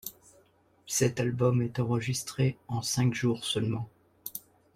Cet album est enregistré en cinq jours seulement.